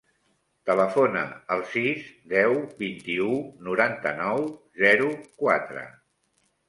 Telefona al sis, deu, vint-i-u, noranta-nou, zero, quatre.